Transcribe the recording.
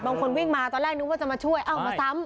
บางคนวิ่งมาตอนแรกนึกว่าจะมาช่วยเอ้ามาซ้ำ